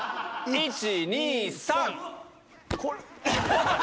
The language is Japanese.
１・２・３。